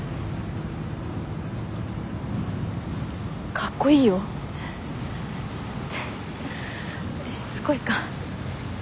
かっこいいよ。ってしつこいか。